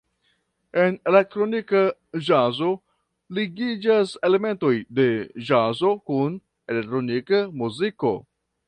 En elektronika ĵazo ligiĝas elementoj de ĵazo kun elektronika muziko.